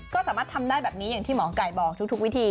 ก็สามารถทำได้แบบนี้อย่างที่หมอไก่บอกทุกวิธี